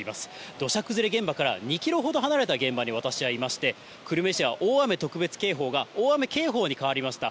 土砂崩れ現場から２キロほど離れた現場に私はいまして、久留米市は大雨特別警報が、大雨警報に変わりました。